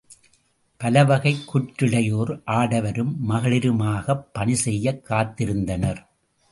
பலவகைக் குற்றிளையோர் ஆடவரும் மகளிருமாகப் பணி செய்யக் காத்திருந்தனர்.